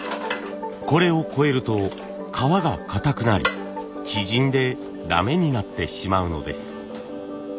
これを超えると革がかたくなり縮んで駄目になってしまうのです。